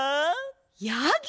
やぎ！